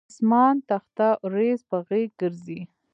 اسمان تخته اوریځ په غیږ ګرځي